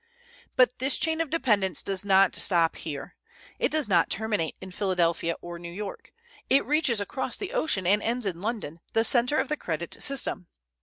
But this chain of dependence does not stop here. It does not terminate at Philadelphia or New York. It reaches across the ocean and ends in London, the center of the credit system.